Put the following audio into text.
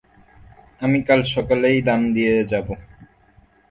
আমি কাল সকালেই দাম দিয়ে যাব।